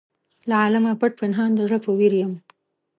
له عالمه پټ پنهان د زړه په ویر یم.